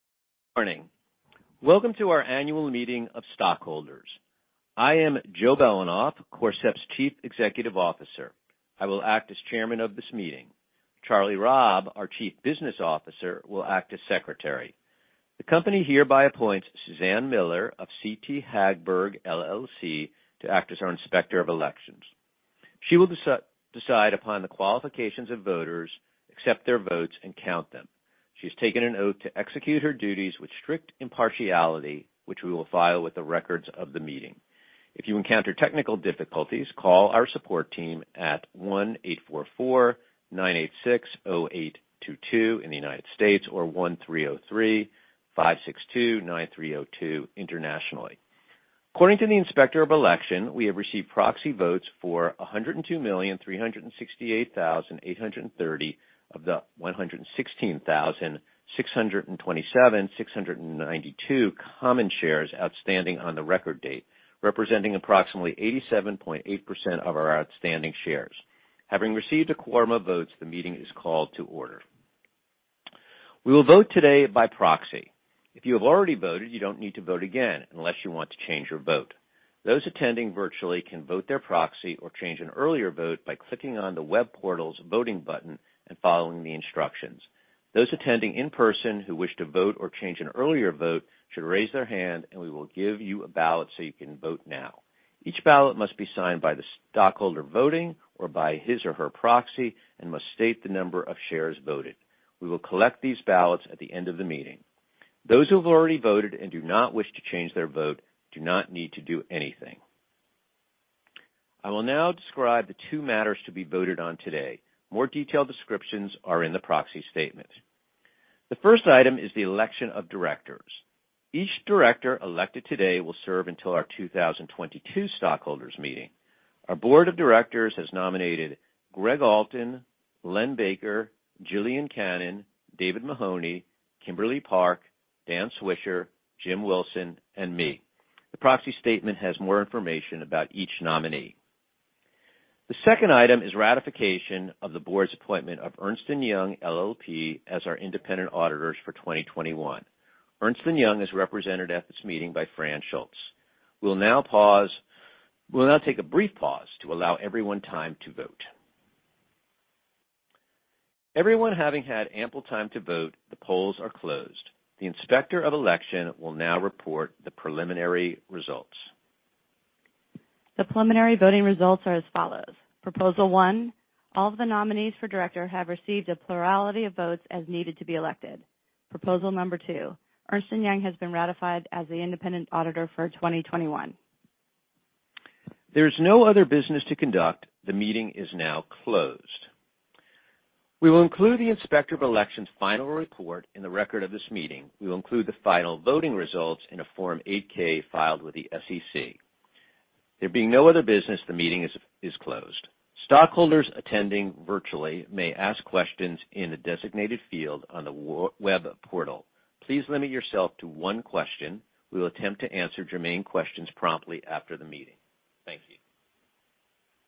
Morning. Welcome to our annual meeting of stockholders. I am Joe Belanoff, Corcept's Chief Executive Officer. I will act as chairman of this meeting. Charlie Robb, our Chief Business Officer, will act as secretary. The company hereby appoints Suzanne Miller of CT Hagberg LLC to act as our Inspector of Elections. She will decide upon the qualifications of voters, accept their votes, and count them. She has taken an oath to execute her duties with strict impartiality, which we will file with the records of the meeting. If you encounter technical difficulties, call our support team at 1-844-986-0822 in the United States or 1-303-562-9302 internationally. According to the Inspector of Election, we have received proxy votes for 102,368,830 of the 116,627,692 common shares outstanding on the record date, representing approximately 87.8% of our outstanding shares. Having received a quorum of votes, the meeting is called to order. We will vote today by proxy. If you have already voted, you don't need to vote again unless you want to change your vote. Those attending virtually can vote their proxy or change an earlier vote by clicking on the web portal's voting button and following the instructions. Those attending in person who wish to vote or change an earlier vote should raise their hand, and we will give you a ballot so you can vote now. Each ballot must be signed by the stockholder voting or by his or her proxy and must state the number of shares voted. We will collect these ballots at the end of the meeting. Those who have already voted and do not wish to change their vote do not need to do anything. I will now describe the two matters to be voted on today. More detailed descriptions are in the proxy statement. The first item is the election of directors. Each director elected today will serve until our 2022 stockholders meeting. Our board of directors has nominated Gregg Alton, Len Baker, Gillian Cannon, David Mahoney, Kimberly Park, Dan Swisher, Jim Wilson, and me. The proxy statement has more information about each nominee. The second item is ratification of the board's appointment of Ernst & Young LLP as our independent auditors for 2021. Ernst & Young is represented at this meeting by Fran Schulz. We'll now take a brief pause to allow everyone time to vote. Everyone having had ample time to vote, the polls are closed. The Inspector of Elections will now report the preliminary results. The preliminary voting results are as follows. Proposal one, all of the nominees for director have received a plurality of votes as needed to be elected. Proposal number two, Ernst & Young has been ratified as the independent auditor for 2021. There's no other business to conduct. The meeting is now closed. We will include the Inspector of Election's final report in the record of this meeting. We will include the final voting results in a Form 8-K filed with the SEC. There being no other business, the meeting is closed. Stockholders attending virtually may ask questions in the designated field on the web portal. Please limit yourself to one question. We will attempt to answer germane questions promptly after the meeting. Thank you.